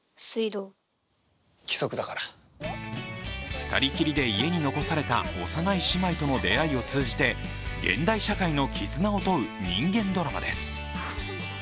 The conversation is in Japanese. ２人きりで家に残された幼い姉妹との出会いを通じて現代社会の絆を問う人間ドラマです。